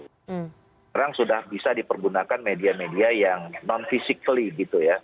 sekarang sudah bisa dipergunakan media media yang non physically gitu ya